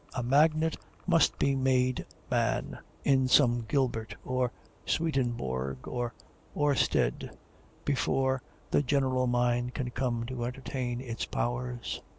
A magnet must be made man, in some Gilbert, or Swedenborg, or Oersted, before the general mind can come to entertain its powers.